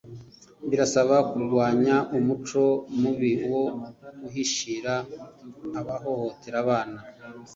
Birasaba kurwanya umuco mubi wo guhishira abahohotera abana